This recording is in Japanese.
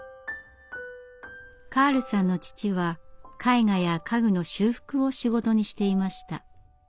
カールさんの父は絵画や家具の修復を仕事にしていました。